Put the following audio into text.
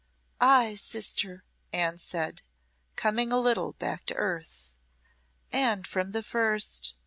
"Ay, sister," Anne said, coming a little back to earth, "and from the first.